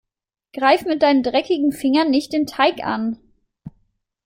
Greif mit deinen dreckigen Fingern nicht den Teig an.